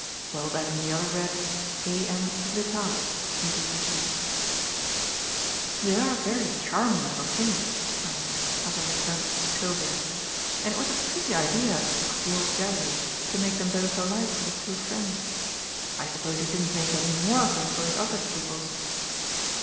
G.," while that on the other read: "A. M. VITALIS, D.G." "They are very charming little things," I said, as I returned them to Sylvia; "and it was a pretty idea of the old Jesuit to make them both alike for the two friends. I suppose he didn't make any more of them for his other pupils?"